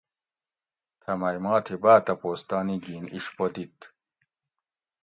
تھہ مئی ما تھی باۤ تپوس تانی گھین اِشپو دیت